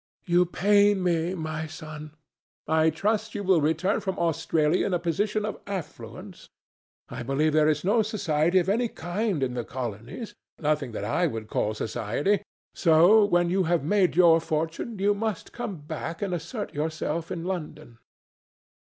"You pain me, my son. I trust you will return from Australia in a position of affluence. I believe there is no society of any kind in the Colonies—nothing that I would call society—so when you have made your fortune, you must come back and assert yourself in London."